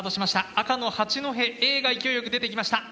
赤の八戸Ａが勢いよく出ていきました。